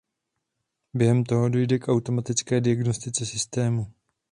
Během toho dojde k automatické diagnostice systému.